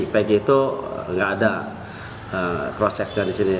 peggy itu tidak ada crosschecknya di sini